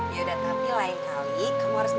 yaudah tapi lain kali kamu harus mampir ke sana gue ya rung